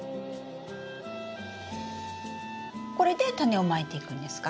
これでタネをまいていくんですか？